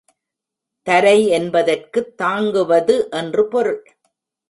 தரை என்பதற்குத் தாங்குவது என்று பொருள்.